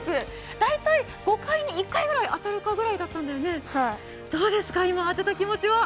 大体５回に１回ぐらい当たるかぐらいだったんだよね、どうですか、今当てた気持ちは？